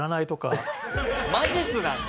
魔術なんだ！